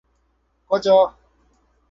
꺼져